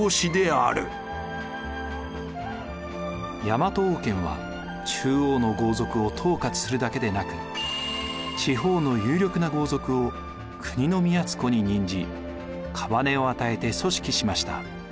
大和王権は中央の豪族を統括するだけでなく地方の有力な豪族を国造に任じ姓を与えて組織しました。